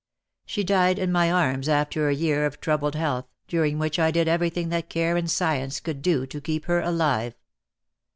She died in my arms after a year of troubled health, during which I did everything that care and science could do to keep her alive.